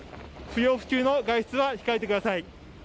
不要不急の外出は控えてください。